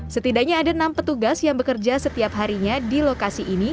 setidaknya ada enam petugas yang bekerja setiap harinya di lokasi ini